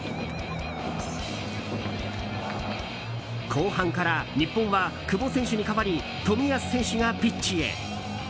後半から日本は久保選手に代わり冨安選手がピッチへ。